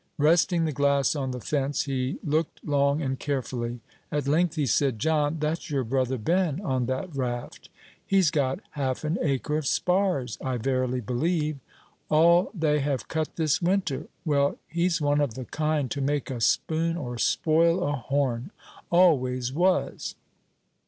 Resting the glass on the fence, he looked long and carefully. At length he said, "John, that's your brother Ben on that raft. He's got half an acre of spars, I verily believe all they have cut this winter; well, he's one of the kind to make a spoon or spoil a horn always was."